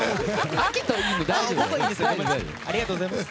ありがとうございます。